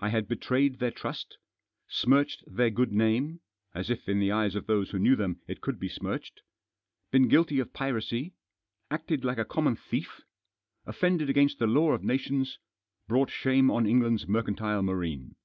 I had betrayed their trust ; smirched their good name — as if in the eyes of those who knew them it could be smirched ; been guilty of piracy; acted like a common thief; offended against the law of nations; brought shame on England's mercantile marine.